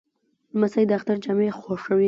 لمسی د اختر جامې خوښوي.